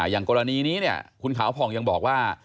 อย่างกรณีนี้คุณขาวผ่องยังบอกว่า